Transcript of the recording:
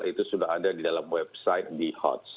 itu sudah ada di dalam website di hots